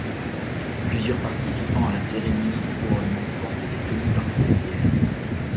Plusieurs participants à la cérémonie du couronnement portent des tenues particulières.